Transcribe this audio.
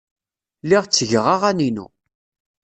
Lliɣ ttgeɣ aɣan-inu.